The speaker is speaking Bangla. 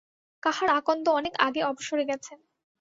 কাহার আকন্দ অনেক আগে অবসরে গেছেন।